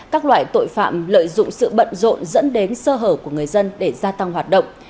các loại tội phạm lợi dụng sự bận rộn dẫn đến sơ hở của người dân để gia tăng hoạt động